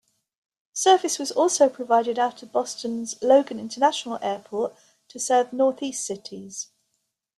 Service was also provided out of Boston's Logan International Airport to several Northeast cities.